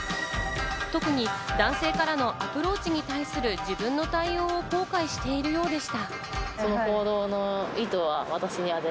特に男性からのアプローチに対する自分の対応を後悔しているようでした。